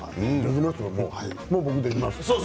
もう僕はできますよ。